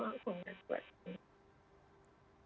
wah kok gak suaranya